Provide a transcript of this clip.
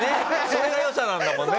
それが良さなんだもんね。